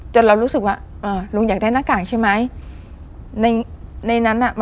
จนเรารู้สึกว่าลุงอยากได้หน้ากากใช่ไหม